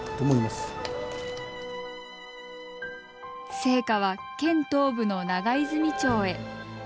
聖火は県東部の長泉町へ。